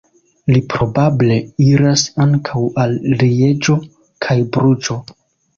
Li probable iras ankaŭ al Lieĝo kaj Bruĝo.